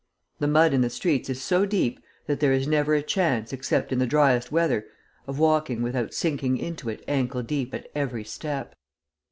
The mud in the streets is so deep that there is never a chance, except in the dryest weather, of walking without sinking into it ankle deep at every step.